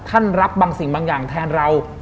รับบางสิ่งบางอย่างแทนเรา